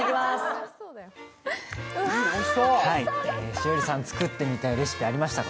栞里さん、作ってみたいレシピありましたか？